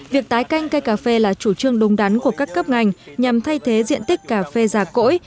việc tái canh cây cà phê là chủ trương đúng đắn của các cấp ngành nhằm thay thế diện tích cà phê già cỗi